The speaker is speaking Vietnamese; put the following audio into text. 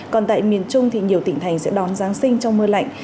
còn tại miền trung thì nhiều tỉnh thành sẽ đón giáng sinh trong mưa lạnh